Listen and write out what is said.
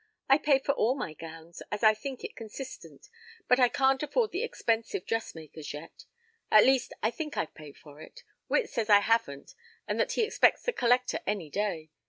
I pay for all my gowns, as I think it consistent, but I can't afford the expensive dressmakers yet. At least I think I've paid for it. Witt says I haven't and that he expects a collector any day.